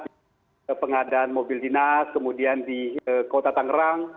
di pengadaan mobil dinas kemudian di kota tangerang